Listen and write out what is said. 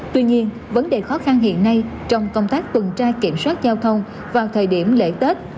tuy nhiên vấn đề khó khăn hiện nay trong công tác tuần tra kiểm soát giao thông vào thời điểm lễ tết